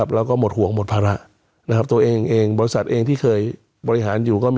แล้วก็หมดหวงหมดภาระ